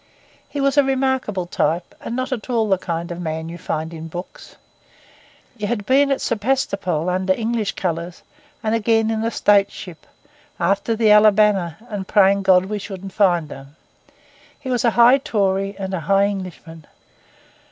He was a remarkable type, and not at all the kind of man you find in books. He had been at Sebastopol under English colours; and again in a States ship, 'after the Alabama, and praying God we shouldn't find her.' He was a high Tory and a high Englishman.